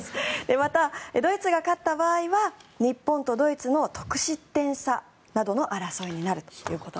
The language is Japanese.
またドイツが勝った場合は日本とドイツの得失点差などの争いになると。